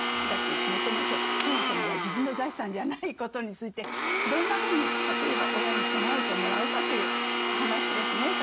だってそもそもが自分の財産じゃないことについてどんなふうに例えば親に備えてもらうかという話ですね。